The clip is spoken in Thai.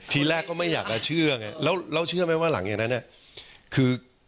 ที่แรกก็ไม่อยากจะเชื่อเลยแล้วเราเชื่อหรือว่าหลังอย่างนั้นเนี่ย